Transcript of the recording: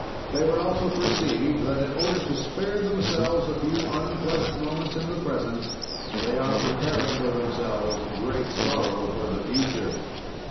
"They would also perceive that, in order to spare themselves a few unpleasant moments in the present they are preparing for themselves great sorrow for the future.